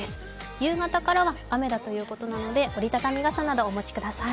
夕方からは雨だということなので折りたたみ傘などをお持ちください。